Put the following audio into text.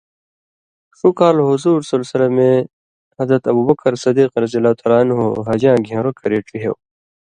ݜُو کال حضورؐ اے حضرت ابو بکر صدیقؓ حَجاں گھېن٘رو کرے ڇِہېو